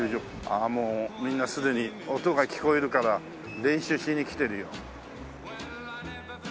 ああもうみんなすでに音が聞こえるから練習しに来てるよ。